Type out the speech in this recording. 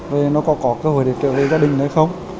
về nó có có cơ hội để trở về gia đình hay không